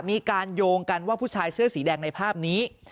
มีการโยงกันว่าผู้ชายเสื้อสีแดงในภาพนี้